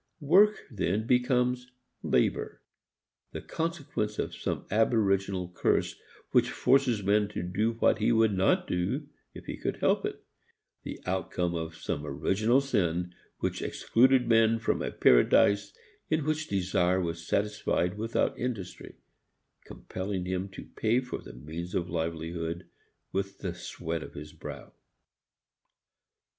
Work then becomes labor, the consequence of some aboriginal curse which forces man to do what he would not do if he could help it, the outcome of some original sin which excluded man from a paradise in which desire was satisfied without industry, compelling him to pay for the means of livelihood with the sweat of his brow.